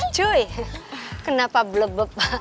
cuy kenapa blebep